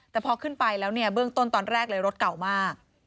แต่พอขึ้นไปแล้วเนี่ยเบื้องต้นตอนแรกเลยรถเก่ามาก